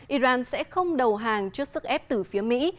iran sẽ không đầu hàng trước sức ép từ phía mỹ